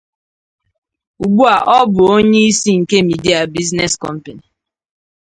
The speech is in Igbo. Ugbu a ọ bụ onye isi nke Media Business Company.